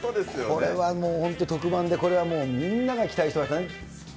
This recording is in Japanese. これはもう本当、特番で、これはもう、みんなが期待してますね。